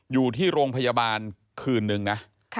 อยู่ที่โรงพยาบาลคืนนึงนะ